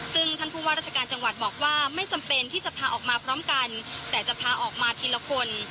ซึ่งท่านผู้ว่าราชการจังหวัดบอกว่าไม่จำเป็นที่จะพาออกมาพร้อมกันแต่จะพาออกมาทีละคน